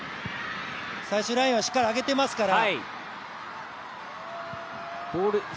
最終ラインはしっかり上げていますから。